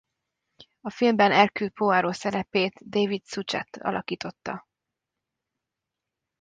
A filmben Hercule Poirot szerepét David Suchet alakította.